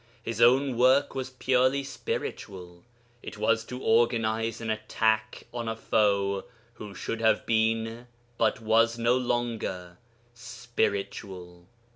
His own work was purely spiritual: it was to organize an attack on a foe who should have been, but was no longer, spiritual.